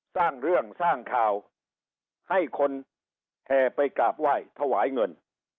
สร้างเรื่องสร้างข่าวให้คนแห่ไปกราบไหว้ถวายเงิน